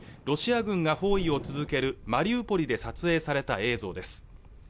ロシア軍が包囲を続けるマリウポリで撮影された映像です